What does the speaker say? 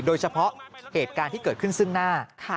โดยเฉพาะเหตุการณ์ที่เกิดขึ้นซึ่งหน้า